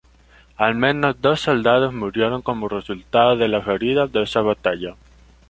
Al menos dos soldados murieron como resultado de las heridas de esa batalla.